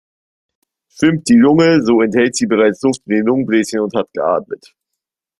Schwimmt die Lunge, so enthält sie bereits Luft in den Lungenbläschen und hat geatmet.